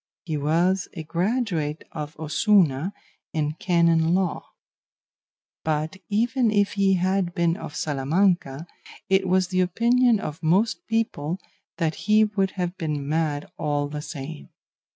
He was a graduate of Osuna in canon law; but even if he had been of Salamanca, it was the opinion of most people that he would have been mad all the same.